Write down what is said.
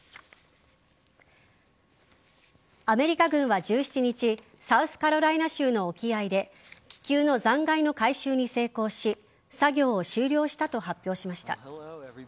アメリカ軍は１７日サウスカロライナ州の沖合で気球の残骸の回収に成功し作業を終了したと発表しました。